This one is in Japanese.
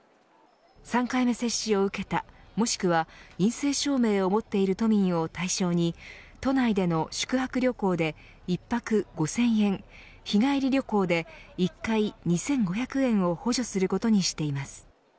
３回目接種を受けたもしくは陰性証明を持っている都民を対象に都内での宿泊旅行で１泊５０００円日帰り旅行で１回２５００円を補助することにしています。